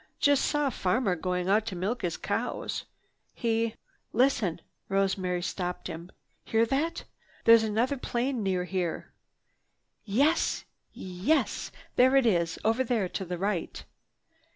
Just saw a farmer going out to milk his cows. He—" "Listen!" Rosemary stopped him. "Hear that! There's another airplane near here. Yes, yes! There it is over there to the right!"